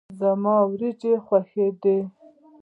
زما وريجي خوښي دي.